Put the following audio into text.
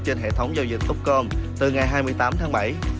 trên hệ thống giao dịch topcom từ ngày hai mươi tám tháng bảy